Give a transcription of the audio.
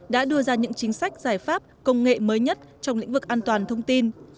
đã đưa ra những chính sách giải pháp công nghệ mới nhất trong lĩnh vực an toàn thông tin